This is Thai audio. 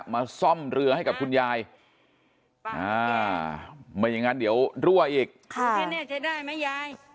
มาซ่อมเรือให้กับคุณยายไม่อย่างนั้นเดี๋ยวรั่วอีกแน่จะได้ไหมยาย